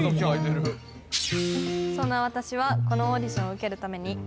「そんな私はこのオーディションを受けるために」